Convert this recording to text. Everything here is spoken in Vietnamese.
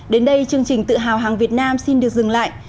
đến đây chương trình tự hào hàng việt nam xin được dừng lại